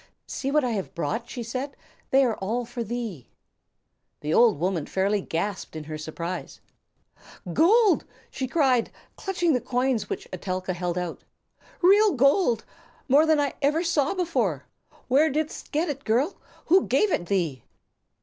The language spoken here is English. "See what I have brought," she said; "they are all for thee." The old woman fairly gasped in her surprise. "Gold!" she cried, clutching the coins which Etelka held out. "Real gold! More than I ever saw before. Where didst get it, girl? Who gave it thee?"